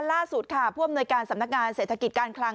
ล่าสุดค่ะผู้อำนวยการสำนักงานเศรษฐกิจการคลัง